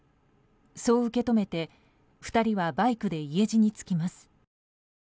そう受け止めて２人はバイクで家路につきます。